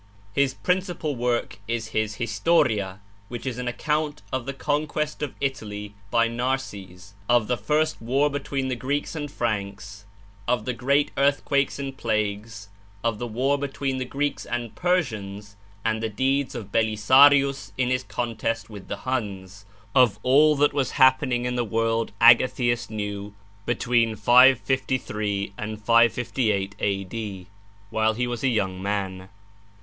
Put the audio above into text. His principal work is his 'Historia,' which is an account of the conquest of Italy by Narses, of the first war between the Greeks and Franks, of the great earthquakes and plagues, of the war between the Greeks and Persians, and the deeds of Belisarius in his contest with the Huns, of all that was happening in the world Agathias knew between 553 and 558 A.D., while he was a young man.